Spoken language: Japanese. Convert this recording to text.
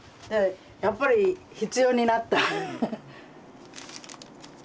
やっぱり必要になった。